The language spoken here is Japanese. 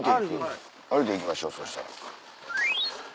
歩いて行きましょうそしたら。